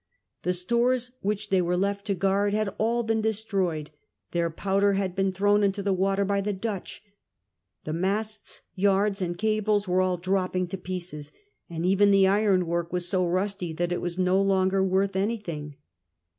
The stores Avliich they were left to guard had all been destroyed, their powder had been thrown into the water by the Dutch. Tlie masts, yards, and cables Avere all dropping to jneces, and even the irouAVork was so rusty that it Avas no longer worth anything.